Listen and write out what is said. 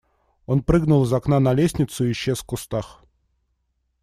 Он прыгнул из окна на лестницу и исчез в кустах.